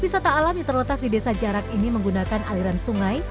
wisata alam yang terletak di desa jarak ini menggunakan aliran sungai